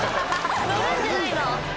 載るんじゃないの？